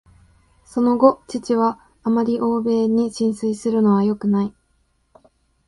その後、父は「あまり欧米に心酔するのはよくない」